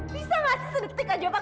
bisa nggak sih sedetik aja pak